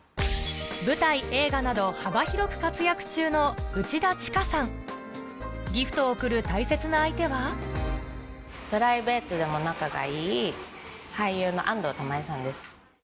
舞台映画など幅広く活躍中のギフトを贈る大切な相手はプライベートでも仲がいい俳優の安藤玉恵さんです。